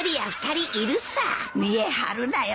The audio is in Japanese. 見え張るなよ。